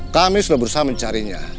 kami sudah berusaha mencarinya